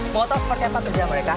mau tahu seperti apa kerja mereka